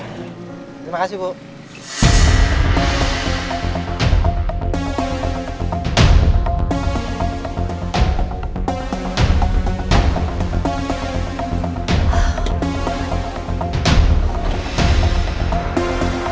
terima kasih bu